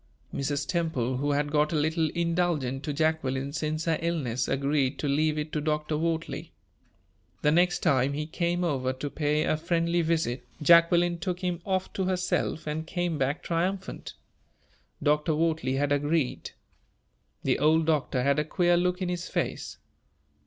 Mrs. Temple, who had got a little indulgent to Jacqueline since her illness, agreed to leave it to Dr. Wortley. The next time he came over to pay a friendly visit, Jacqueline took him off to herself, and came back triumphant. Dr. Wortley had agreed. The old doctor had a queer look in his face.